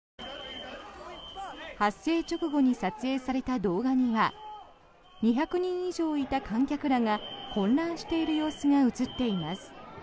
発生直後に撮影された動画には２００人以上いた観客らが混乱している様子が映っています。